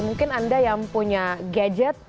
mungkin anda yang punya gadget